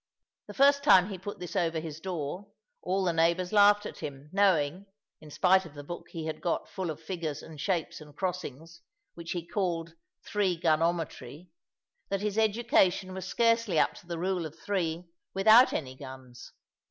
The first time he put this over his door, all the neighbours laughed at him, knowing (in spite of the book he had got full of figures and shapes and crossings, which he called "Three gun ometry") that his education was scarcely up to the rule of three, without any guns.